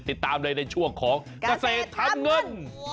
ติดตามเลยในช่วงของเกษตรทำเงิน